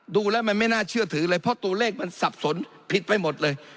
ดูแล้วมันไม่น่าเชื่อถือเลยเพราะตัวเลขมันสับสนผิดไปหมดเลย